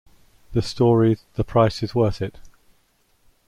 The story ...the price is worth it.